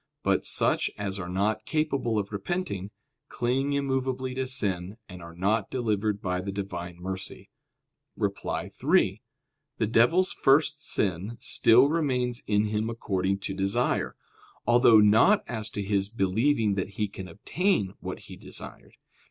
But such as are not capable of repenting, cling immovably to sin, and are not delivered by the Divine mercy. Reply Obj. 3: The devil's first sin still remains in him according to desire; although not as to his believing that he can obtain what he desired.